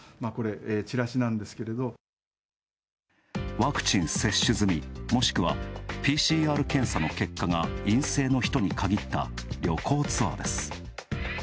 ワクチン接種済み、もしくはＰＣＲ検査の結果が陰性の人に限った旅行ツアーです。